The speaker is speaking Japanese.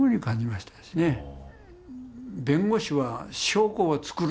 弁護士が証拠をつくる？